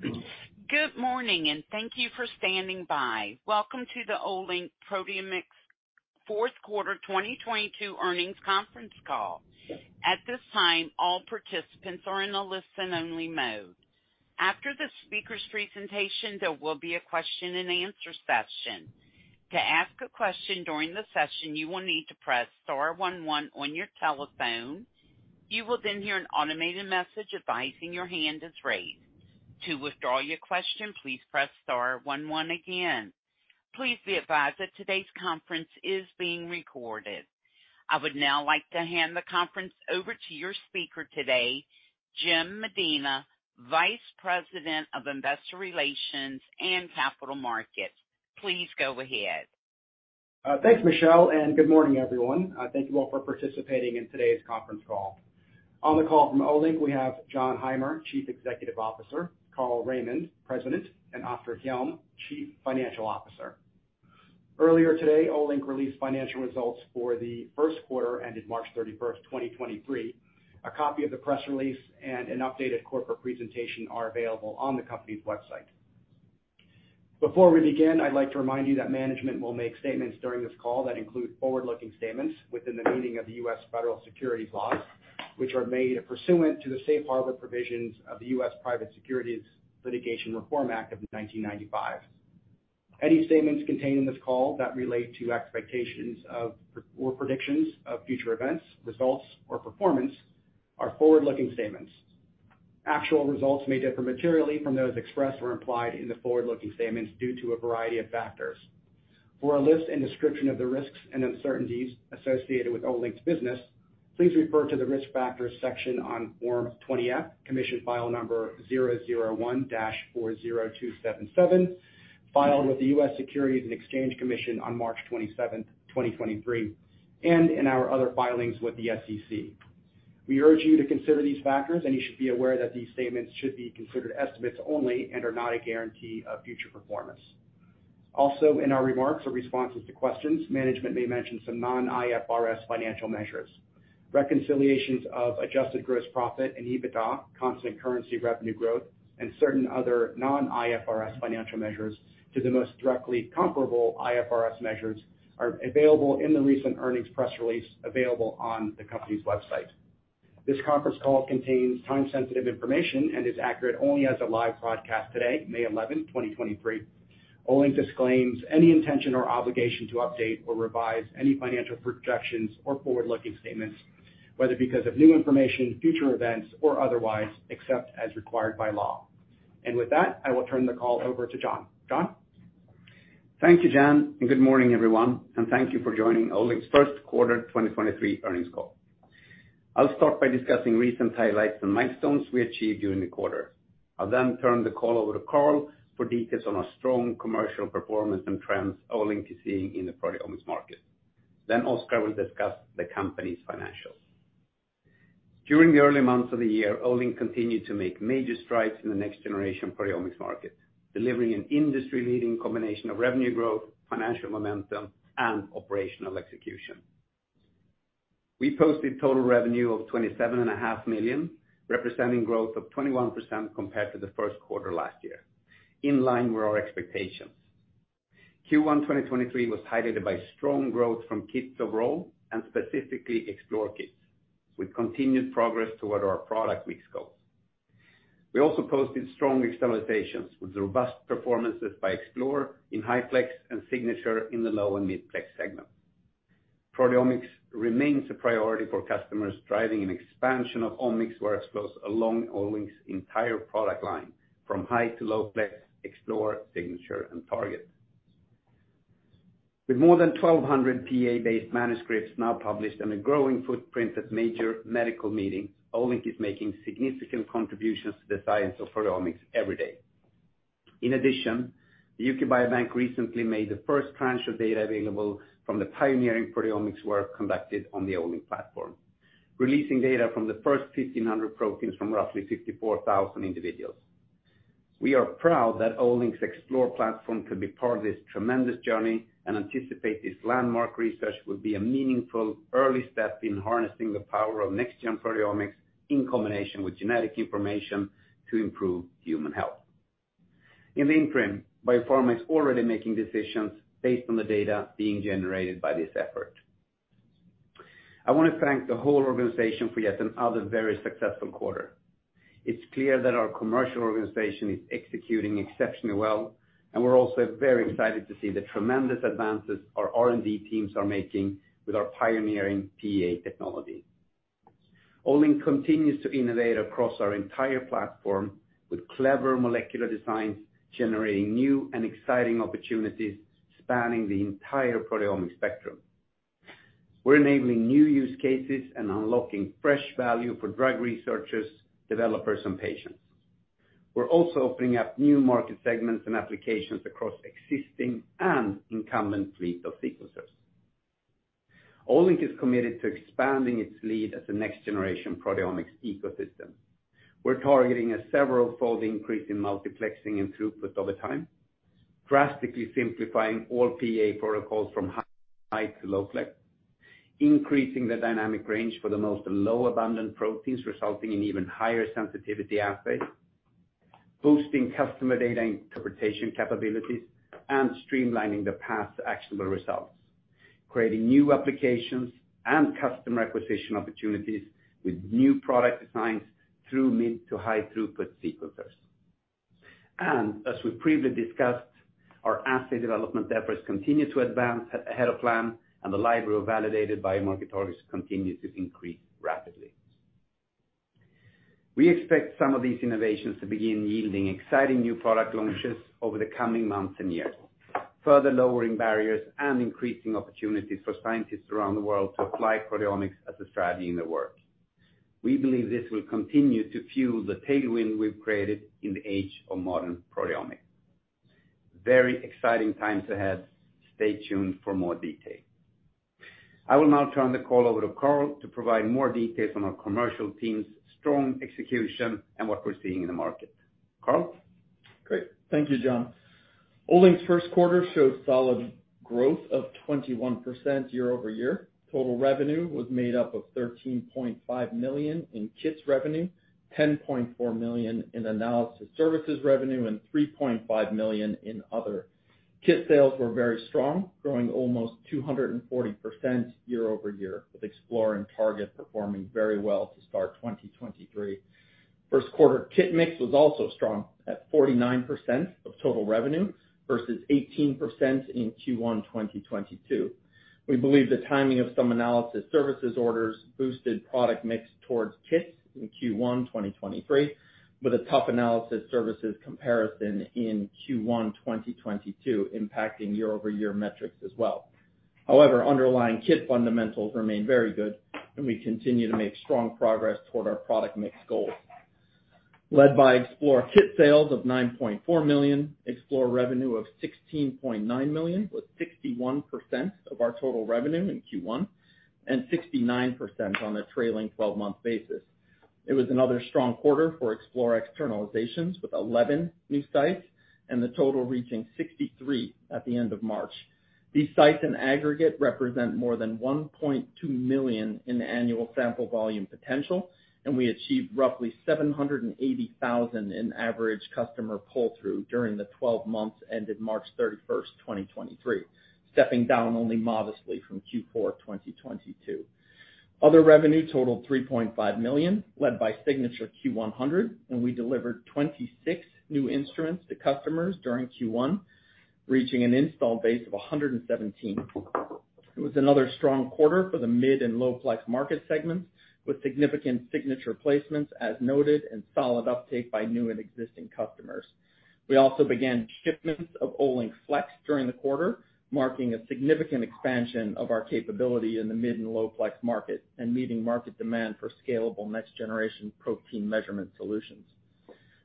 Good morning. Thank you for standing by. Welcome to the Olink Proteomics fourth quarter 2022 earnings conference call. At this time, all participants are in a listen only mode. After the speaker's presentation, there will be a question and answer session. To ask a question during the session, you will need to press star one one on your telephone. You will then hear an automated message advising your hand is raised. To withdraw your question, please press star one one again. Please be advised that today's conference is being recorded. I would now like to hand the conference over to your speaker today, Jan Medina, Vice President of Investor Relations and Capital Markets. Please go ahead. Thanks, Michelle. Good morning, everyone. Thank you all for participating in today's conference call. On the call from Olink, we have Jon Heimer, Chief Executive Officer, Carl Raimond, President, and Oskar Hjelm, Chief Financial Officer. Earlier today, Olink released financial results for the first quarter ended March 31, 2023. A copy of the press release and an updated corporate presentation are available on the company's website. Before we begin, I'd like to remind you that management will make statements during this call that include forward-looking statements within the meaning of the U.S. federal securities laws, which are made pursuant to the safe harbor provisions of the U.S. Private Securities Litigation Reform Act of 1995. Any statements contained in this call that relate to expectations of or predictions of future events, results or performance are forward-looking statements. Actual results may differ materially from those expressed or implied in the forward-looking statements due to a variety of factors. For a list and description of the risks and uncertainties associated with Olink's business, please refer to the Risk Factors section on Form 20-F, Commission File Number 001-40277, filed with the U.S. Securities and Exchange Commission on March 27, 2023, and in our other filings with the SEC. We urge you to consider these factors, you should be aware that these statements should be considered estimates only and are not a guarantee of future performance. In our remarks or responses to questions, management may mention some non-IFRS financial measures. Reconciliations of adjusted gross profit and EBITDA, constant currency revenue growth, and certain other non-IFRS financial measures to the most directly comparable IFRS measures are available in the recent earnings press release available on the company's website. This conference call contains time-sensitive information and is accurate only as a live broadcast today, May 11, 2023. Olink disclaims any intention or obligation to update or revise any financial projections or forward-looking statements, whether because of new information, future events or otherwise, except as required by law. With that, I will turn the call over to Jon. Jon? Thank you, Jan. Good morning, everyone, and thank you for joining Olink's first quarter 2023 earnings call. I'll start by discussing recent highlights and milestones we achieved during the quarter. I'll turn the call over to Carl for details on our strong commercial performance and trends Olink is seeing in the proteomics market. Oskar will discuss the company's financials. During the early months of the year, Olink continued to make major strides in the next generation proteomics market, delivering an industry-leading combination of revenue growth, financial momentum and operational execution. We posted total revenue of $27.5 million, representing growth of 21% compared to the first quarter last year, in line with our expectations. Q1 2023 was highlighted by strong growth from kits overall and specifically Explore kits, with continued progress toward our product mix goals. We also posted strong accelerations with robust performances by Explore in high-plex and Signature in the low- and mid-plex segment. Proteomics remains a priority for customers, driving an expansion of omics workflows along Olink's entire product line from high- to low-plex, Explore, Signature and Target. With more than 1,200 PEA-based manuscripts now published and a growing footprint at major medical meetings, Olink is making significant contributions to the science of proteomics every day. In addition, the UK Biobank recently made the first tranche of data available from the pioneering proteomics work conducted on the Olink platform, releasing data from the first 1,500 proteins from roughly 54,000 individuals. We are proud that Olink's Explore platform could be part of this tremendous journey and anticipate this landmark research will be a meaningful early step in harnessing the power of next-gen proteomics in combination with genetic information to improve human health. In the interim, biopharma is already making decisions based on the data being generated by this effort. I want to thank the whole organization for yet another very successful quarter. It's clear that our commercial organization is executing exceptionally well, and we're also very excited to see the tremendous advances our R&D teams are making with our pioneering PEA technology. Olink continues to innovate across our entire platform with clever molecular designs, generating new and exciting opportunities spanning the entire proteomics spectrum. We're enabling new use cases and unlocking fresh value for drug researchers, developers and patients. We're also opening up new market segments and applications across existing and incumbent fleet of sequencers. Olink is committed to expanding its lead as a next generation proteomics ecosystem. We're targeting a several-fold increase in multiplexing and throughput over time, drastically simplifying all PEA protocols from high-plex to low-plex. Increasing the dynamic range for the most low abundant proteins, resulting in even higher sensitivity assays, boosting customer data interpretation capabilities, and streamlining the path to actionable results, creating new applications and customer acquisition opportunities with new product designs through mid to high throughput sequencers. As we previously discussed, our assay development efforts continue to advance ahead of plan, and the library of validated biomarker targets continues to increase rapidly. We expect some of these innovations to begin yielding exciting new product launches over the coming months and years, further lowering barriers and increasing opportunities for scientists around the world to apply proteomics as a strategy in their work. We believe this will continue to fuel the tailwind we've created in the age of modern proteomics. Very exciting times ahead. Stay tuned for more detail. I will now turn the call over to Carl to provide more details on our commercial team's strong execution and what we're seeing in the market. Carl? Great. Thank you, John. Olink's first quarter showed solid growth of 21% year-over-year. Total revenue was made up of $13.5 million in kits revenue, $10.4 million in analysis services revenue, and $3.5 million in other. Kit sales were very strong, growing almost 240% year-over-year, with Explore and Target performing very well to start 2023. First quarter kit mix was also strong at 49% of total revenue versus 18% in Q1 2022. We believe the timing of some analysis services orders boosted product mix towards kits in Q1 2023, with a tough analysis services comparison in Q1 2022 impacting year-over-year metrics as well. Underlying kit fundamentals remain very good, and we continue to make strong progress toward our product mix goals. Led by Explore kit sales of $9.4 million, Explore revenue of $16.9 million, with 61% of our total revenue in Q1 and 69% on a trailing 12-month basis. It was another strong quarter for Explore externalizations, with 11 new sites and the total reaching 63 at the end of March. These sites in aggregate represent more than $1.2 million in annual sample volume potential, and we achieved roughly $780,000 in average customer pull-through during the 12 months ended March 31, 2023, stepping down only modestly from Q4 2022. Other revenue totaled $3.5 million, led by Signature Q100, and we delivered 26 new instruments to customers during Q1, reaching an install base of 117. It was another strong quarter for the mid-plex and low-plex market segments, with significant Signature placements as noted and solid uptake by new and existing customers. We also began shipments of Olink Flex during the quarter, marking a significant expansion of our capability in the mid-plex and low-plex market and meeting market demand for scalable next-generation protein measurement solutions.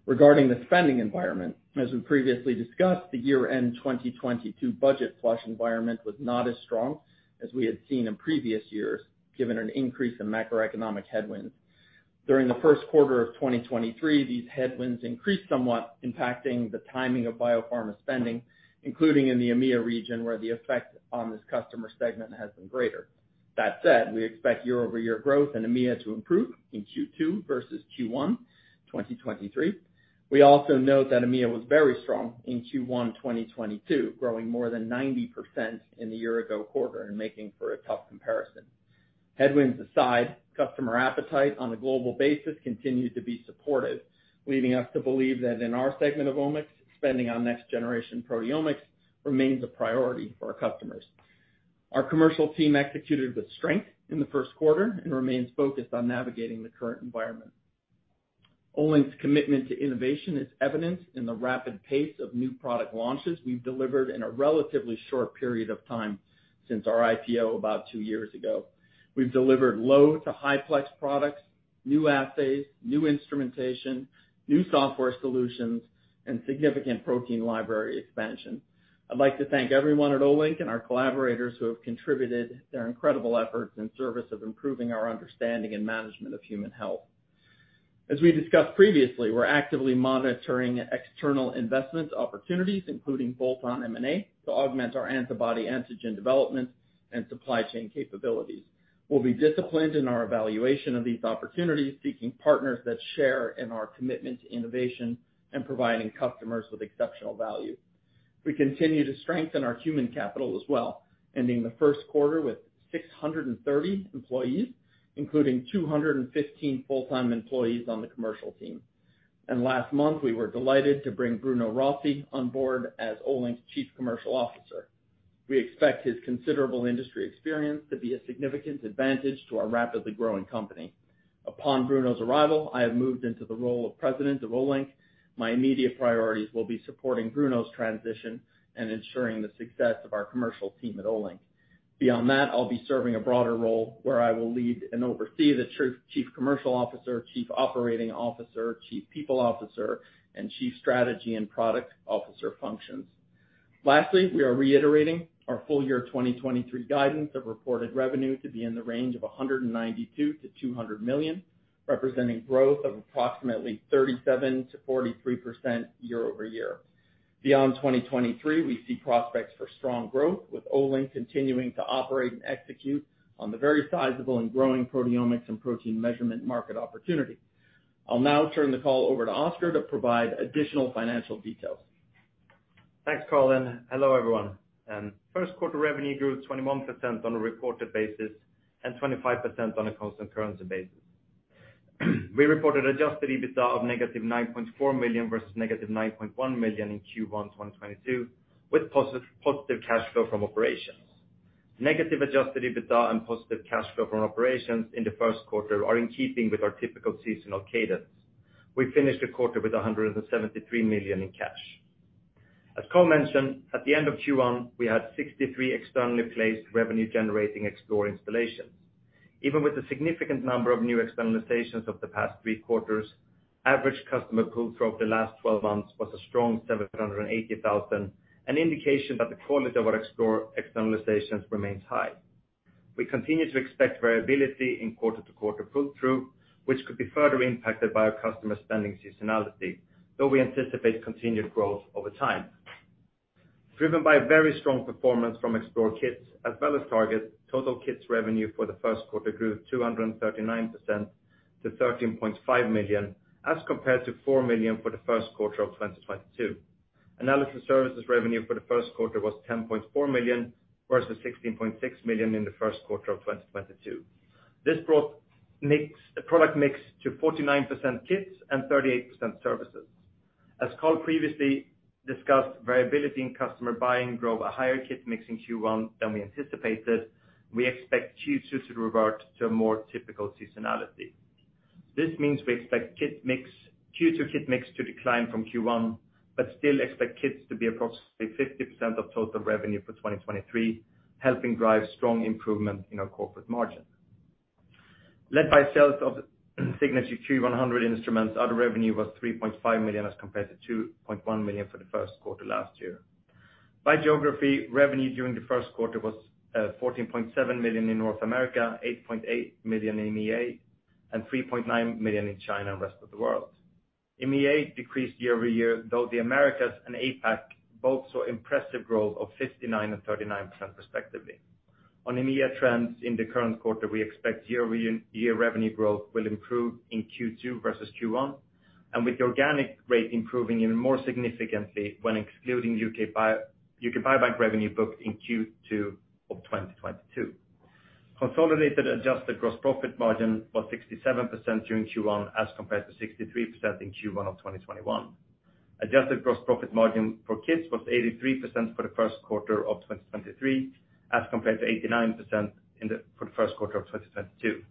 Regarding the spending environment, as we previously discussed, the year-end 2022 budget flush environment was not as strong as we had seen in previous years, given an increase in macroeconomic headwinds. During the first quarter of 2023, these headwinds increased somewhat, impacting the timing of biopharma spending, including in the EMEA region, where the effect on this customer segment has been greater. That said, we expect year-over-year growth in EMEA to improve in Q2 versus Q1 2023. We also note that EMEA was very strong in Q1 2022, growing more than 90% in the year ago quarter and making for a tough comparison. Headwinds aside, customer appetite on a global basis continued to be supportive, leading us to believe that in our segment of omics, spending on next-generation proteomics remains a priority for our customers. Our commercial team executed with strength in the first quarter and remains focused on navigating the current environment. Olink's commitment to innovation is evident in the rapid pace of new product launches we've delivered in a relatively short period of time since our IPO about two years ago. We've delivered low to high plex products, new assays, new instrumentation, new software solutions, and significant protein library expansion. I'd like to thank everyone at Olink and our collaborators who have contributed their incredible efforts in service of improving our understanding and management of human health. As we discussed previously, we're actively monitoring external investment opportunities, including bolt-on M&A, to augment our antibody-antigen development and supply chain capabilities. We'll be disciplined in our evaluation of these opportunities, seeking partners that share in our commitment to innovation and providing customers with exceptional value. We continue to strengthen our human capital as well, ending the first quarter with 630 employees, including 215 full-time employees on the commercial team. Last month, we were delighted to bring Bruno Rossi on board as Olink's Chief Commercial Officer. We expect his considerable industry experience to be a significant advantage to our rapidly growing company. Upon Bruno's arrival, I have moved into the role of President of Olink. My immediate priorities will be supporting Bruno's transition and ensuring the success of our commercial team at Olink. Beyond that, I'll be serving a broader role where I will lead and oversee the Chief Commercial Officer, Chief Operating Officer, Chief People Officer, and Chief Strategy and Product Officer functions. Lastly, we are reiterating our full year 2023 guidance of reported revenue to be in the range of $192 million-$200 million, representing growth of approximately 37%-43% year-over-year. Beyond 2023, we see prospects for strong growth, with Olink continuing to operate and execute on the very sizable and growing proteomics and protein measurement market opportunity. I'll now turn the call over to Oskar to provide additional financial details. Thanks, Carl. Hello, everyone. First quarter revenue grew 21% on a reported basis and 25% on a constant currency basis. We reported adjusted EBITDA of -$9.4 million versus -$9.1 million in Q1 2022, with positive cash flow from operations. Negative adjusted EBITDA and positive cash flow from operations in the first quarter are in keeping with our typical seasonal cadence. We finished the quarter with $173 million in cash. As Carl mentioned, at the end of Q1, we had 63 externally placed revenue-generating Explore installations. Even with the significant number of new externalizations of the past three quarters, average customer pull-through over the last 12 months was a strong $780,000, an indication that the quality of our Explore externalizations remains high. We continue to expect variability in quarter-to-quarter pull-through, which could be further impacted by our customer spending seasonality, though we anticipate continued growth over time. Driven by very strong performance from Explore kits as well as Target, total kits revenue for the first quarter grew 239% to $13.5 million, as compared to $4 million for the first quarter of 2022. Analytical services revenue for the first quarter was $10.4 million, versus $16.6 million in the first quarter of 2022. This brought the product mix to 49% kits and 38% services. As Carl previously discussed, variability in customer buying drove a higher kit mix in Q1 than we anticipated. We expect Q2 to revert to a more typical seasonality. This means we expect kit mix, Q2 kit mix to decline from Q1, but still expect kits to be approximately 50% of total revenue for 2023, helping drive strong improvement in our corporate margin. Led by sales of Signature Q100 instruments, other revenue was $3.5 million, as compared to $2.1 million for the first quarter last year. By geography, revenue during the first quarter was $14.7 million in North America, $8.8 million in MEA, and $3.9 million in China and rest of the world. MEA decreased year-over-year, though the Americas and APAC both saw impressive growth of 59% and 39% respectively. On MEA trends in the current quarter, we expect year-over-year revenue growth will improve in Q2 versus Q1, and with organic rate improving even more significantly when excluding UK Biobank revenue booked in Q2 of 2022. Consolidated adjusted gross profit margin was 67% during Q1, as compared to 63% in Q1 of 2021. Adjusted gross profit margin for kits was 83% for the first quarter of 2023, as compared to 89% for the first quarter of 2022.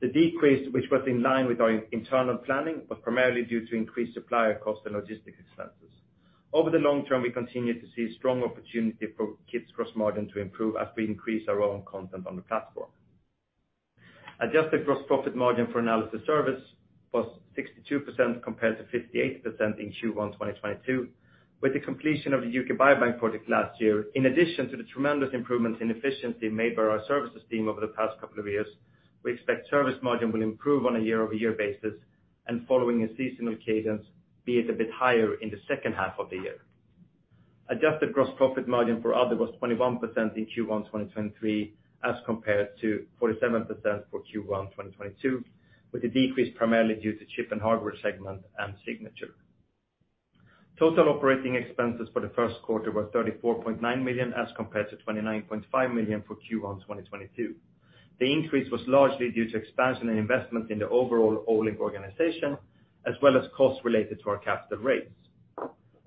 The decrease, which was in line with our internal planning, was primarily due to increased supplier cost and logistics expenses. Over the long term, we continue to see strong opportunity for kits gross margin to improve as we increase our own content on the platform. Adjusted gross profit margin for analysis service was 62% compared to 58% in Q1 2022. With the completion of the UK Biobank project last year, in addition to the tremendous improvements in efficiency made by our services team over the past couple of years, we expect service margin will improve on a year-over-year basis, and following a seasonal cadence, be it a bit higher in the second half of the year. Adjusted gross profit margin for other was 21% in Q1 2023, as compared to 47% for Q1 2022, with the decrease primarily due to chip and hardware segment and Signature. Total operating expenses for the first quarter were $34.9 million, as compared to $29.5 million for Q1 2022. The increase was largely due to expansion and investment in the overall Olink organization, as well as costs related to our capital raise.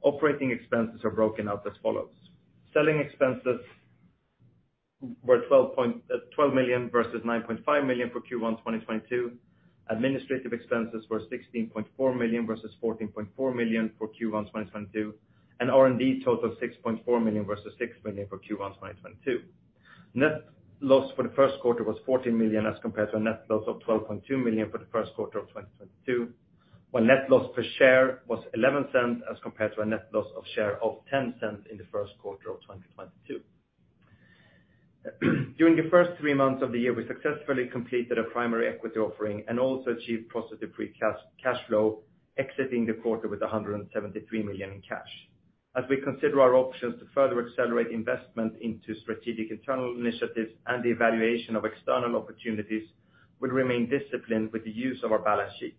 Operating expenses are broken out as follows. Selling expenses were $12 million versus $9.5 million for Q1 2022. Administrative expenses were $16.4 million versus $14.4 million for Q1 2022. R&D total, $6.4 million versus $6 million for Q1 2022. Net loss for the first quarter was $14 million, as compared to a net loss of $12.2 million for the first quarter of 2022. While net loss per share was $0.11, as compared to a net loss of share of $0.10 in the first quarter of 2022. During the first three months of the year, we successfully completed a primary equity offering and also achieved positive free cash flow, exiting the quarter with $173 million in cash. As we consider our options to further accelerate investment into strategic internal initiatives and the evaluation of external opportunities, we'll remain disciplined with the use of our balance sheet,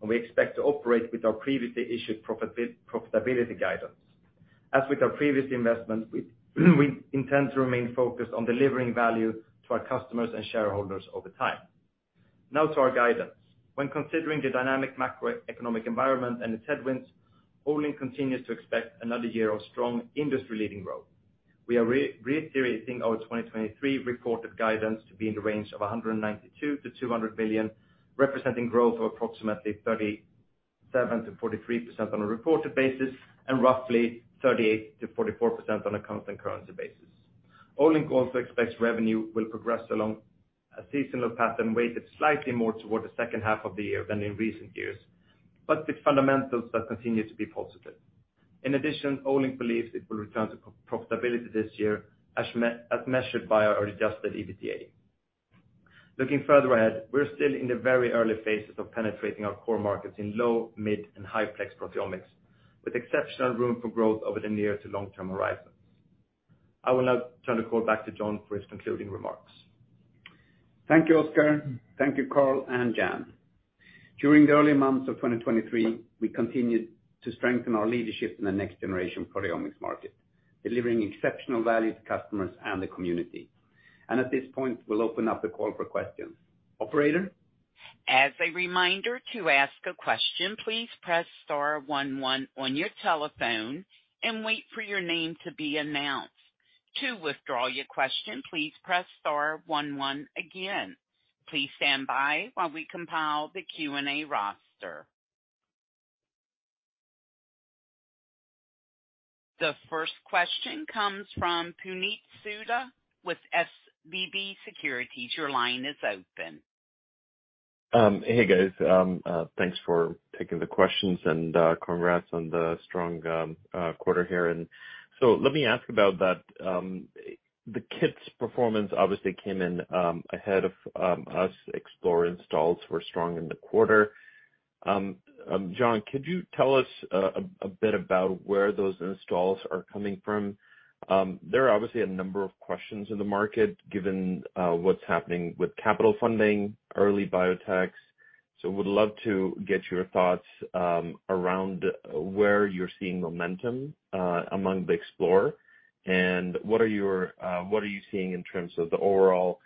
and we expect to operate with our previously issued profitability guidance. As with our previous investment, we intend to remain focused on delivering value to our customers and shareholders over time. Now to our guidance. When considering the dynamic macroeconomic environment and its headwinds, Olink continues to expect another year of strong industry-leading growth. We are re-reiterating our 2023 reported guidance to be in the range of $192 billion-$200 billion, representing growth of approximately 37%-43% on a reported basis and roughly 38%-44% on a constant currency basis. Olink also expects revenue will progress along a seasonal path and weighted slightly more toward the second half of the year than in recent years, but with fundamentals that continue to be positive. In addition, Olink believes it will return to profitability this year as measured by our adjusted EBITDA. Looking further ahead, we're still in the very early phases of penetrating our core markets in low, mid, and high-plex proteomics, with exceptional room for growth over the near to long-term horizon. I will now turn the call back to Jon for his concluding remarks. Thank you, Oskar. Thank you, Carl and Jan. During the early months of 2023, we continued to strengthen our leadership in the next-generation proteomics market, delivering exceptional value to customers and the community. At this point, we'll open up the call for questions. Operator? As a reminder, to ask a question, please press star one one on your telephone and wait for your name to be announced. To withdraw your question, please press star one one again. Please stand by while we compile the Q&A roster. The first question comes from Puneet Souda with SVB Securities. Your line is open. Hey, guys. Thanks for taking the questions and congrats on the strong quarter here. Let me ask about that, the kits performance obviously came in ahead of us. Explore installs were strong in the quarter. Jon, could you tell us a bit about where those installs are coming from? There are obviously a number of questions in the market given what's happening with capital funding, early biotechs. Would love to get your thoughts around where you're seeing momentum among the Explore and what are your, what are you seeing in terms of the overall,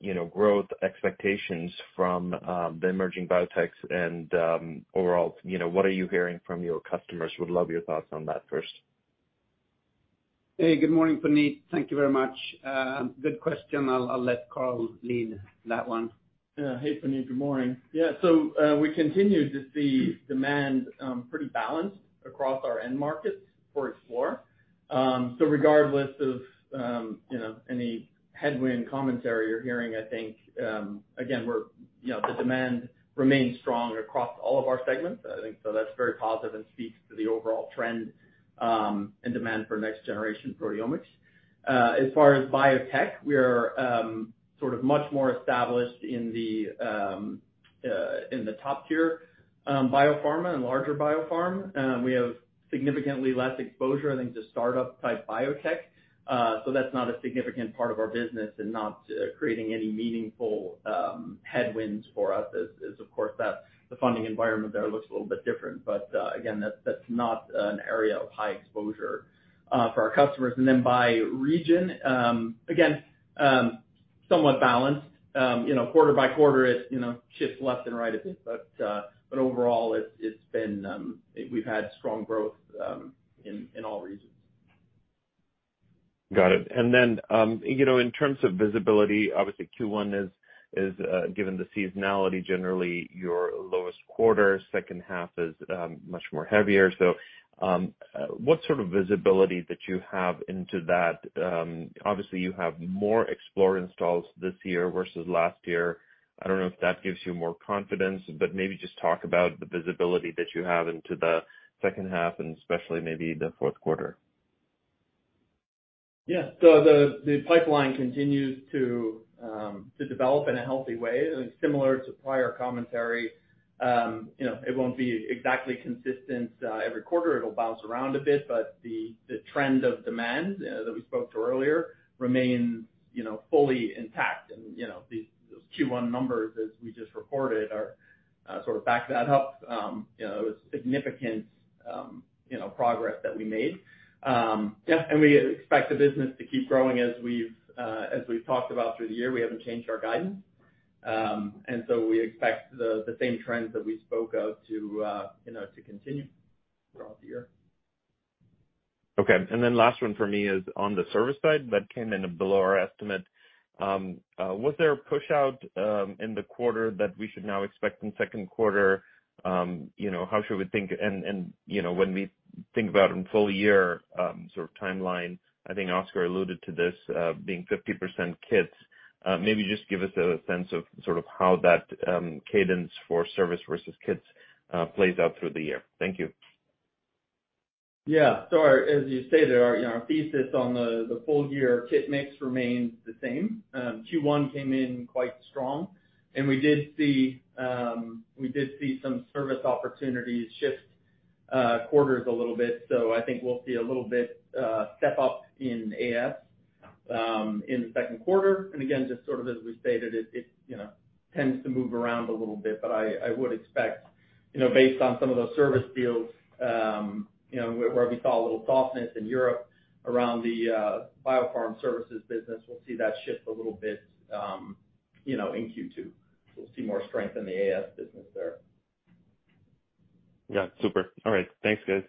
you know, growth expectations from the emerging biotechs and overall, you know, what are you hearing from your customers? Would love your thoughts on that first. Hey, good morning, Puneet. Thank you very much. Good question. I'll let Carl lead that one. Yeah. Hey, Puneet, good morning. We continue to see demand, pretty balanced across our end markets for Explore. Regardless of, you know, any headwind commentary you're hearing, I think, again, we're, you know, the demand remains strong across all of our segments. That's very positive and speaks to the overall trend, and demand for next generation proteomics. As far as biotech, we are, sort of much more established in the, in the top-tier, biopharma and larger biopharm. We have significantly less exposure, I think, to startup type biotech. That's not a significant part of our business and not creating any meaningful, headwinds for us, as of course the funding environment there looks a little bit different. Again, that's not an area of high exposure for our customers. By region, again, somewhat balanced. You know, quarter by quarter it, you know, shifts left and right a bit, but overall it's been, we've had strong growth in all regions. Got it. Then, you know, in terms of visibility, obviously Q1 is given the seasonality, generally your lowest quarter, second half is much more heavier. What sort of visibility that you have into that? Obviously you have more Explore installs this year versus last year. I don't know if that gives you more confidence, but maybe just talk about the visibility that you have into the second half and especially maybe the fourth quarter. Yeah. The pipeline continues to develop in a healthy way. Similar to prior commentary, you know, it won't be exactly consistent every quarter. It'll bounce around a bit, but the trend of demand that we spoke to earlier remains, you know, fully intact. You know, these, those Q1 numbers, as we just reported are sort of back that up, you know, significant, you know, progress that we made. Yeah, we expect the business to keep growing as we've as we've talked about through the year. We haven't changed our guidance. We expect the same trends that we spoke of to, you know, to continue throughout the year. Okay. Last one for me is on the service side, that came in below our estimate. Was there a pushout in the quarter that we should now expect in second quarter? you know, how should we think and, you know, when we think about in full year, sort of timeline, I think Oskar alluded to this, being 50% kits. Maybe just give us a sense of sort of how that cadence for service versus kits plays out through the year. Thank you. Yeah. As you say there, you know, our thesis on the full year kit mix remains the same. Q1 came in quite strong and we did see some service opportunities shift quarters a little bit. So I think we'll see a little bit step up in AS in the second quarter. Again, just sort of as we stated it, you know, tends to move around a little bit, but I would expect, you know, based on some of those service deals, you know, where we saw a little softness in Europe around the biopharm services business, we'll see that shift a little bit, you know, in Q2. We'll see more strength in the AS business there. Yeah. Super. All right. Thanks, guys.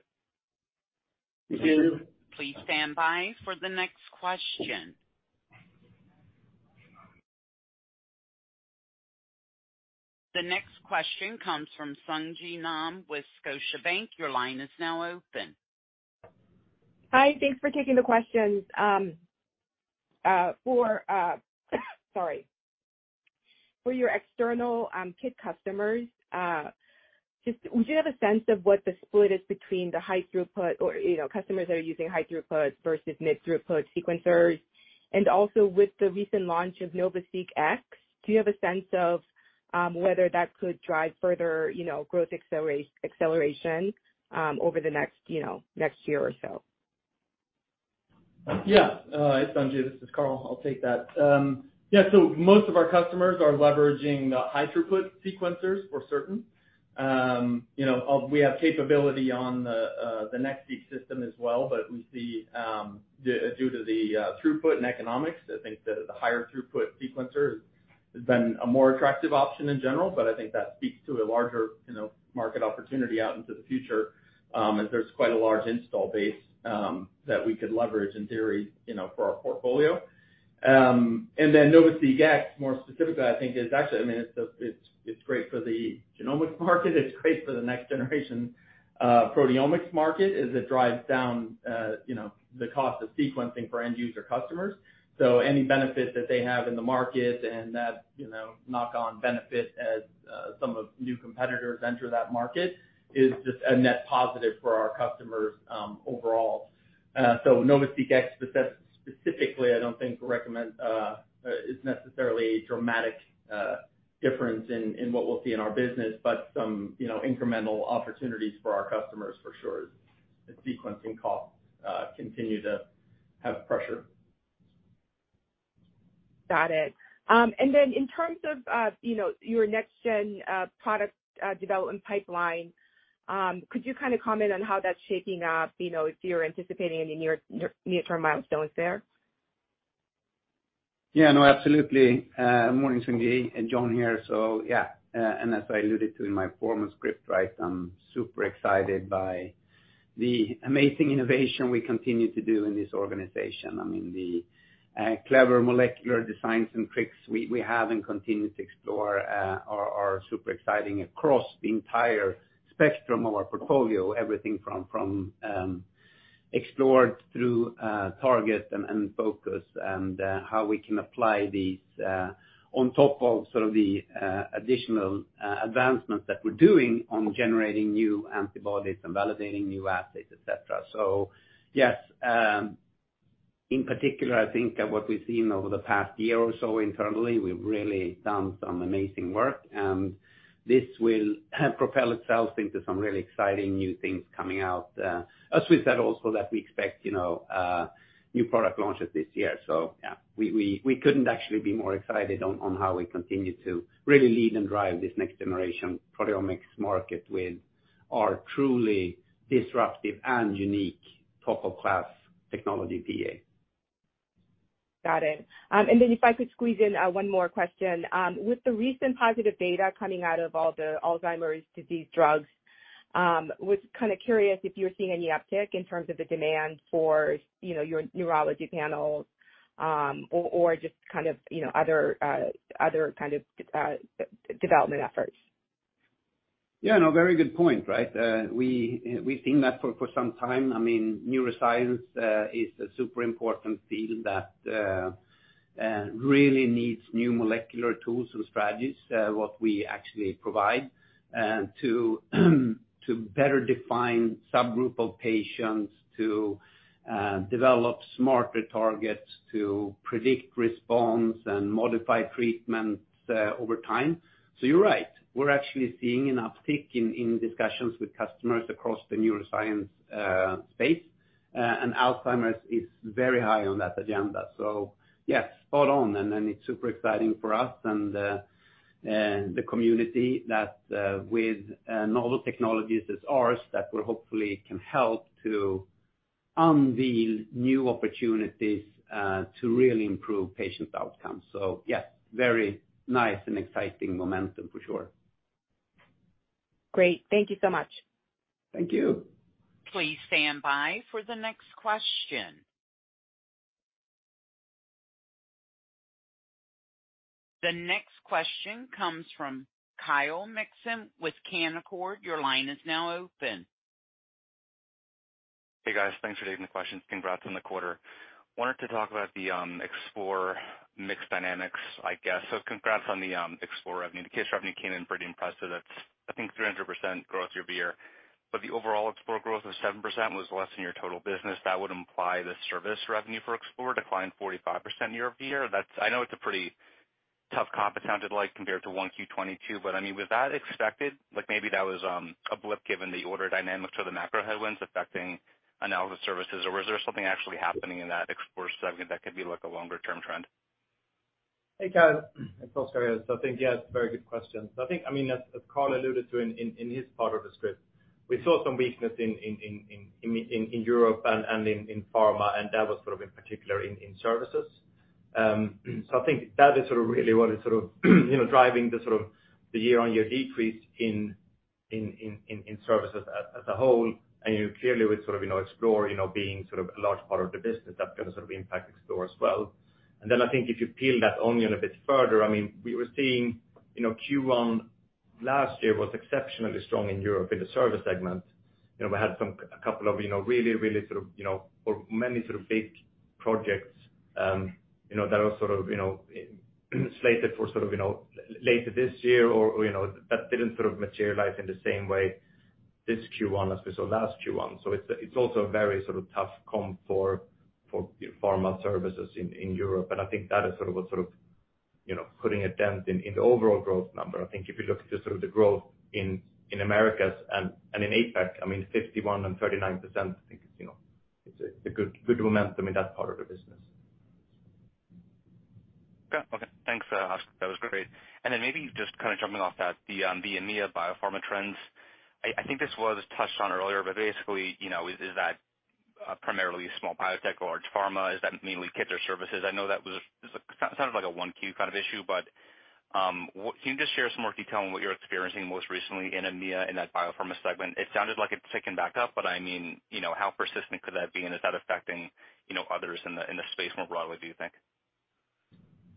Thank you. Please stand by for the next question. The next question comes from Sung Ji Nam with Scotiabank. Your line is now open. Hi. Thanks for taking the questions. For your external kit customers, just would you have a sense of what the split is between the high-throughput or, you know, customers that are using high-throughput versus mid-throughput sequencers? Also with the recent launch of NovaSeq X, do you have a sense of whether that could drive further, you know, growth acceleration over the next, you know, next year or so? It's Sung Ji. This is Carl Raimond. I'll take that. Most of our customers are leveraging the high throughput sequencers for certain. You know, we have capability on the NextSeq system as well, we see, due to the throughput and economics, I think the higher throughput sequencer has been a more attractive option in general. I think that speaks to a larger, you know, market opportunity out into the future, as there's quite a large install base that we could leverage in theory, you know, for our portfolio. NovaSeq X, more specifically, I think is actually, I mean, it's great for the genomics market. It's great for the next generation proteomics market, as it drives down, you know, the cost of sequencing for end user customers. Any benefit that they have in the market and that, you know, knock on benefit as some of new competitors enter that market is just a net positive for our customers, overall. NovaSeq X specifically, I don't think recommend, is necessarily a dramatic difference in what we'll see in our business, but some, you know, incremental opportunities for our customers for sure as sequencing costs continue to have pressure. Got it. In terms of, you know, your next-gen product development pipeline, could you kind of comment on how that's shaping up, you know, if you're anticipating any near-term milestones there? Yeah, no, absolutely. Morning, Sung Ji. Jon here. Yeah, and as I alluded to in my former script, right, I'm super excited by the amazing innovation we continue to do in this organization. I mean, the clever molecular designs and tricks we have and continue to Explore are super exciting across the entire spectrum of our portfolio. Everything from Explore through Target and Focus and how we can apply these on top of sort of the additional advancements that we're doing on generating new antibodies and validating new assets, et cetera. Yes, in particular, I think what we've seen over the past year or so internally, we've really done some amazing work. This will help propel itself into some really exciting new things coming out. As we said also that we expect, you know, new product launches this year. Yeah, we couldn't actually be more excited on how we continue to really lead and drive this next generation proteomics market with our truly disruptive and unique top of class technology PA. Got it. Then if I could squeeze in, one more question. With the recent positive data coming out of all the Alzheimer's disease drugs, was kind of curious if you're seeing any uptick in terms of the demand for, you know, your neurology panels, or just kind of, you know, other kind of, development efforts. Yeah, no, very good point, right? We've seen that for some time. I mean, neuroscience is a super important field that really needs new molecular tools and strategies, what we actually provide, to better define subgroup of patients, to develop smarter targets, to predict response and modify treatments over time. You're right. We're actually seeing an uptick in discussions with customers across the neuroscience space. Alzheimer's is very high on that agenda. Yes, spot on. It's super exciting for us and the community that with novel technologies as ours that will hopefully can help to unveil new opportunities to really improve patients' outcomes. Yeah, very nice and exciting momentum for sure. Great. Thank you so much. Thank you. Please stand by for the next question. The next question comes from Kyle Mikson with Canaccord. Your line is now open. Hey, guys. Thanks for taking the questions. Congrats on the quarter. Wanted to talk about the Explore mix dynamics, I guess. Congrats on the Explore revenue. The case revenue came in pretty impressive. That's I think 300% growth year-over-year. The overall Explore growth of 7% was less than your total business. That would imply the service revenue for Explore declined 45% year-over-year. I know it's a pretty tough comp it sounded like compared to 1Q 2022, I mean, was that expected? Like maybe that was a blip given the order dynamics or the macro headwinds affecting analysis services. Was there something actually happening in that Explore segment that could be like a longer term trend? Hey, Kyle, it's Oskar here. I think, yeah, it's a very good question. I think, I mean, as Carl alluded to in his part of the script, we saw some weakness in Europe and in pharma, and that was sort of in particular in services. So I think that is sort of really what is sort of, you know, driving the sort of the year-over-year decrease in services as a whole. You clearly with sort of, you know, Explore, being sort of a large part of the business, that's gonna sort of impact Explore as well. Then I think if you peel that onion a bit further, I mean, we were seeing, you know, Q1 last year was exceptionally strong in Europe in the service segment. You know, we had some, a couple of, you know, really, really sort of, you know, or many sort of big projects, you know, that are sort of, you know, slated for sort of, you know, later this year or you know, that didn't sort of materialize in the same way this Q1 as we saw last Q1. It's, it's also a very sort of tough comp for pharma services in Europe. I think that is sort of what sort of, you know, putting a dent in the overall growth number. If you look at the sort of the growth in Americas and in APAC, I mean 51% and 39%, I think it's, you know, it's a good momentum in that part of the business. Okay. Thanks, Oskar. That was great. Then maybe just kind of jumping off that, the EMEA biopharma trends, I think this was touched on earlier, but basically, you know, is that primarily small biotech or large pharma? Is that mainly kits or services? I know that sounded like a 1Q kind of issue, but can you just share some more detail on what you're experiencing most recently in EMEA in that biopharma segment? It sounded like it's taken back up, but I mean, you know, how persistent could that be? Is that affecting, you know, others in the space more broadly, do you think?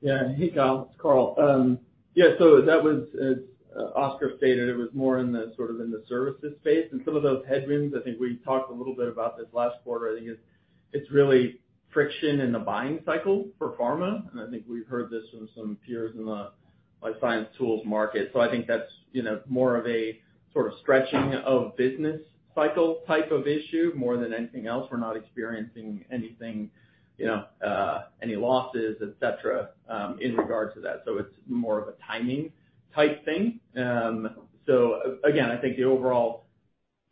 Yeah. Hey, Kyle, it's Carl. Yeah, that was, as Oskar stated, it was more in the sort of in the services space and some of those headwinds. I think we talked a little bit about this last quarter. I think it's really friction in the buying cycle for pharma. I think we've heard this from some peers in the life science tools market. I think that's, you know, more of a sort of stretching of business cycle type of issue more than anything else. We're not experiencing anything, you know, any losses, et cetera, in regards to that. It's more of a timing type thing. Again, I think the overall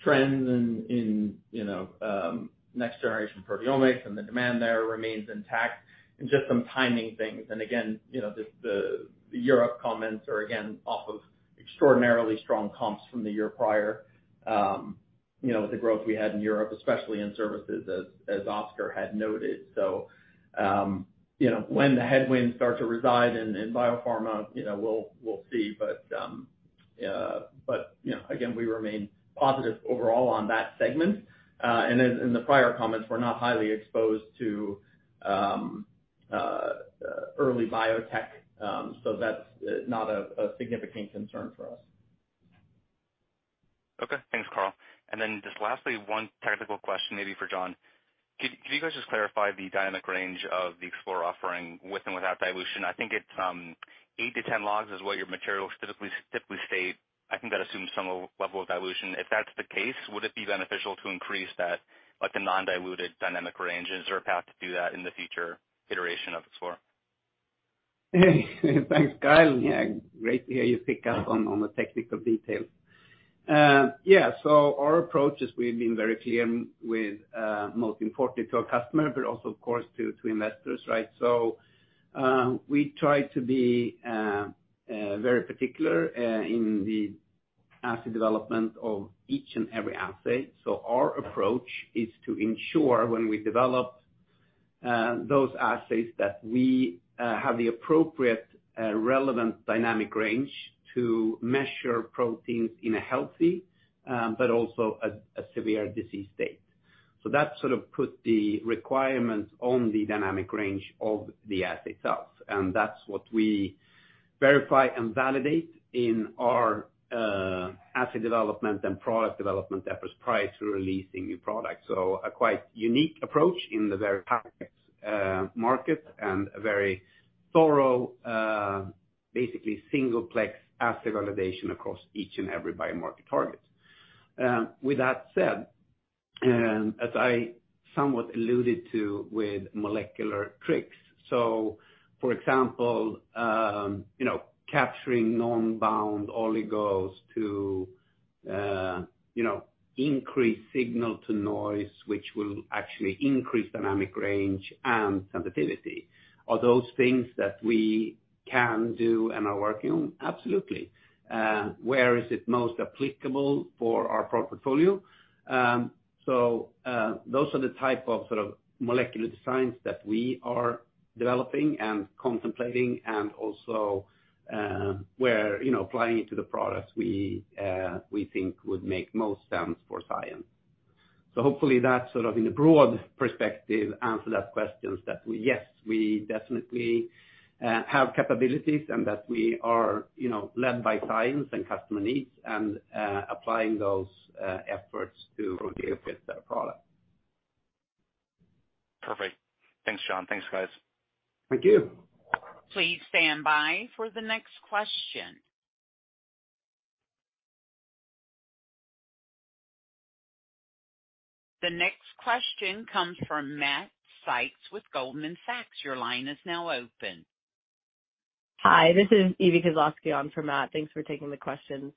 trends in, you know, next generation proteomics and the demand there remains intact and just some timing things. Again, you know, the, the Europe comments are again, off of extraordinarily strong comps from the year prior, you know, the growth we had in Europe, especially in services as Oskar had noted. You know, when the headwinds start to reside in biopharma, you know, we'll see. But you know, again, we remain positive overall on that segment. As in the prior comments, we're not highly exposed to early biotech. That's not a significant concern for us. Okay. Thanks, Carl. Just lastly, one technical question maybe for Jon. Could you guys just clarify the dynamic range of the Explore offering with and without dilution? I think it's, eight to 10 logs is what your materials typically state. I think that assumes some level of dilution. If that's the case, would it be beneficial to increase that, like the non-diluted dynamic range? Is there a path to do that in the future iteration of Explore? Thanks, Kyle. Great to hear you pick up on the technical details. Our approach is we've been very clear with most importantly to our customer, but also of course to investors, right? We try to be very particular in the asset development of each and every assay. Our approach is to ensure when we develop those assays that we have the appropriate relevant dynamic range to measure proteins in a healthy, but also a severe disease state. That sort of put the requirements on the dynamic range of the assay itself, and that's what we verify and validate in our assay development and product development efforts prior to releasing new products. A quite unique approach in the very complex market and a very thorough, basically single plex assay validation across each and every biomarker target. With that said, as I somewhat alluded to with molecular tricks, so for example, you know, capturing non-bound oligos to, you know, increase signal to noise, which will actually increase dynamic range and sensitivity, are those things that we can do and are working on? Absolutely. Where is it most applicable for our product portfolio? Those are the type of sort of molecular designs that we are developing and contemplating and also, where, you know, applying it to the products we think would make most sense for science. Hopefully that sort of in a broad perspective answer that questions that we. Yes, we definitely have capabilities and that we are, you know, led by science and customer needs and applying those efforts to appropriate products. Perfect. Thanks, Jon. Thanks, guys. Thank you. Please stand by for the next question. The next question comes from Matthew Sykes with Goldman Sachs. Your line is now open. Hi, this is Evy Kozlowski on for Matt. Thanks for taking the questions.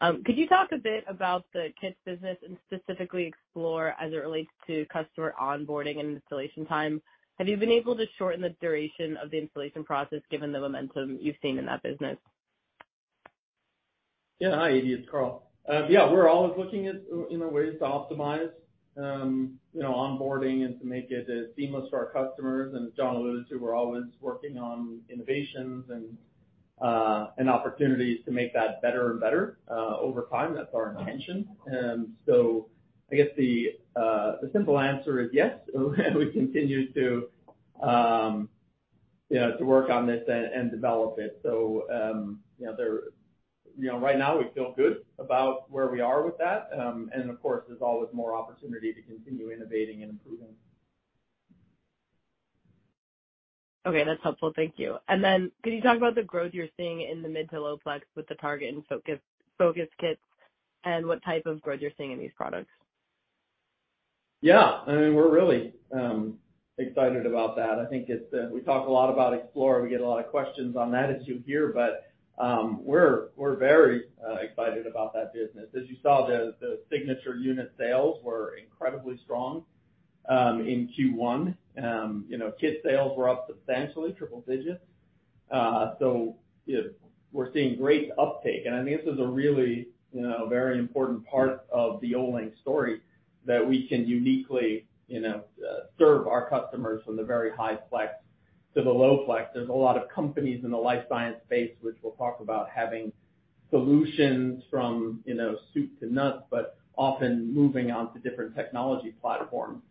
Could you talk a bit about the kits business and specifically Explore as it relates to customer onboarding and installation time? Have you been able to shorten the duration of the installation process given the momentum you've seen in that business? Yeah. Hi, Evie. It's Carl. Yeah, we're always looking at, you know, ways to optimize, you know, onboarding and to make it as seamless to our customers. As Jon alluded to, we're always working on innovations and opportunities to make that better and better over time. That's our intention. I guess the simple answer is yes, and we continue to, you know, to work on this and develop it. You know, right now we feel good about where we are with that. Of course, there's always more opportunity to continue innovating and improving. Okay, that's helpful. Thank you. Could you talk about the growth you're seeing in the mid- to low-plex with the Target and Focus kits and what type of growth you're seeing in these products? Yeah, I mean, we're really excited about that. I think it's, we talk a lot about Explore. We get a lot of questions on that as you hear, we're very excited about that business. As you saw, the Signature unit sales were incredibly strong in Q1. You know, kit sales were up substantially, triple digits. You know, we're seeing great uptake. I think this is a really, you know, very important part of the Olink story that we can uniquely, you know, serve our customers from the very high-plex to the low-plex. There's a lot of companies in the life science space, which we'll talk about having solutions from, you know, soup to nuts, often moving on to different technology platforms,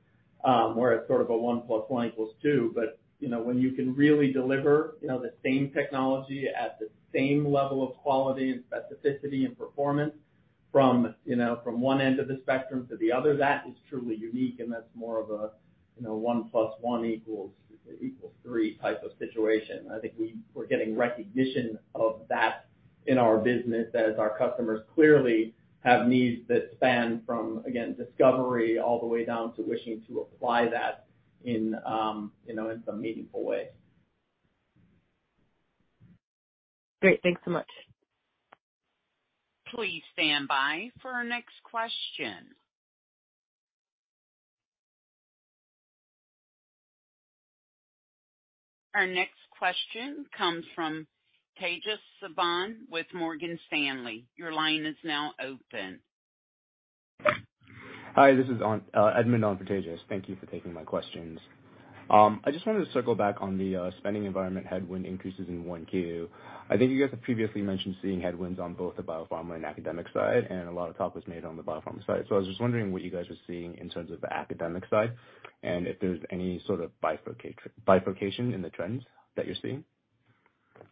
where it's sort of a one plus one equals two. You know, when you can really deliver, you know, the same technology at the same level of quality and specificity and performance from, you know, from 1 end of the spectrum to the other, that is truly unique, and that's more of a, you know, one plus one equals three type of situation. I think we're getting recognition of that in our business as our customers clearly have needs that span from, again, discovery all the way down to wishing to apply that in, you know, in some meaningful way. Great. Thanks so much. Please stand by for our next question. Our next question comes from Tejas Savant with Morgan Stanley. Your line is now open. Hi, this is on, Edmund on for Tejas. Thank you for taking my questions. I just wanted to circle back on the spending environment headwind increases in 1Q. I think you guys have previously mentioned seeing headwinds on both the biopharma and academic side, and a lot of talk was made on the biopharma side. I was just wondering what you guys are seeing in terms of the academic side and if there's any sort of bifurcation in the trends that you're seeing.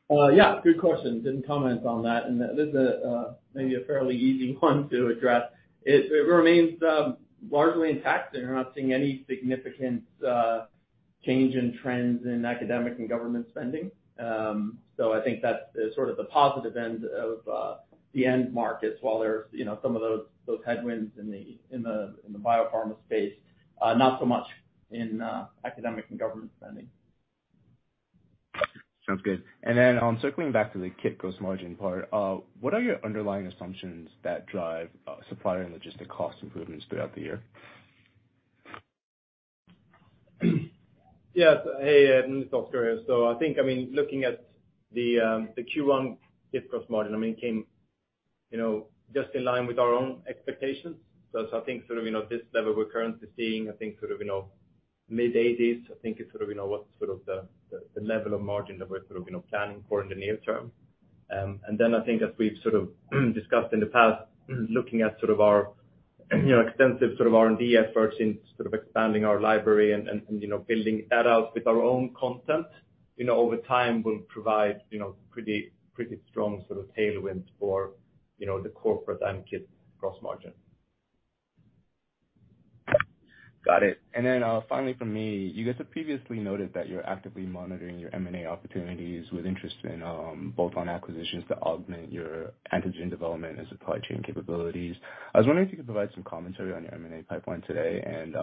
Yeah, good question. Didn't comment on that. This is maybe a fairly easy one to address. It remains largely intact. We're not seeing any significant change in trends in academic and government spending. I think that's sort of the positive end of the end markets while there's, you know, some of those headwinds in the biopharma space, not so much in academic and government spending. Sounds good. Circling back to the kit gross margin part, what are your underlying assumptions that drive supplier and logistic cost improvements throughout the year? Yes. Hey, Edmund, it's Oskar here. I think, I mean, looking at the Q1 kit gross margin, I mean, it came, you know, just in line with our own expectations. I think sort of, you know, this level we're currently seeing, I think sort of, you know, mid-80s%, I think is sort of, you know, what's sort of the level of margin that we're sort of, you know, planning for in the near term. I think as we've sort of discussed in the past, looking at sort of our, you know, extensive sort of R&D efforts in sort of expanding our library and, you know, building that out with our own content, you know, over time will provide, you know, pretty strong sort of tailwind for, you know, the corporate and kit gross margin. Got it. Finally from me, you guys have previously noted that you're actively monitoring your M&A opportunities with interest in bolt-on acquisitions to augment your antigen development and supply chain capabilities. I was wondering if you could provide some commentary on your M&A pipeline today and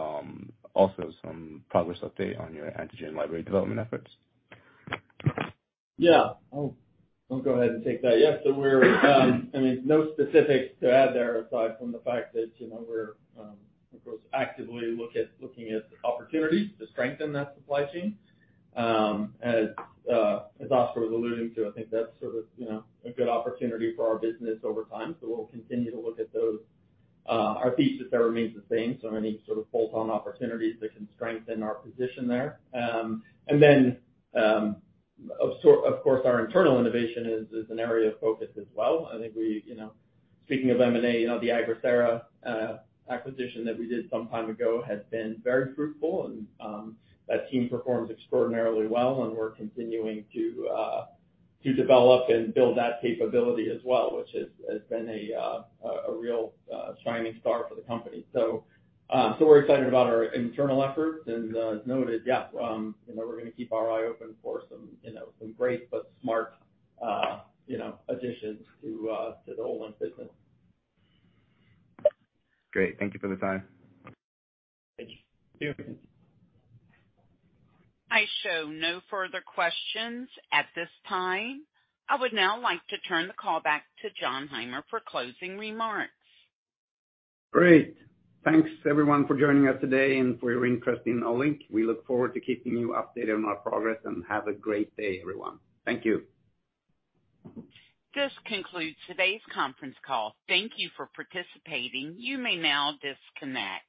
also some progress update on your antigen library development efforts. Yeah. I'll go ahead and take that. Yes, I mean, no specifics to add there, aside from the fact that, you know, we're, of course, actively looking at opportunities to strengthen that supply chain. As Oskar was alluding to, I think that's sort of, you know, a good opportunity for our business over time. We'll continue to look at those. Our thesis there remains the same, so any sort of bolt-on opportunities that can strengthen our position there. Of course, our internal innovation is an area of focus as well. I think we, you know, speaking of M&A, you know, the Agrisera acquisition that we did some time ago has been very fruitful and that team performs extraordinarily well, and we're continuing to develop and build that capability as well, which has been a real shining star for the company. We're excited about our internal efforts. As noted, yeah, you know, we're gonna keep our eye open for some, you know, some great but smart, you know, additions to the Olink business. Great. Thank you for the time. Thank you. I show no further questions at this time. I would now like to turn the call back to Jon Heimer for closing remarks. Great. Thanks, everyone, for joining us today and for your interest in Olink. We look forward to keeping you updated on our progress. Have a great day, everyone. Thank you. This concludes today's conference call. Thank you for participating. You may now disconnect.